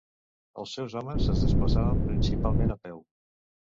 Els seus homes es desplaçaven principalment a peu.